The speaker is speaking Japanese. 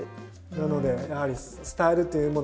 なのでやはりスタイルというもの。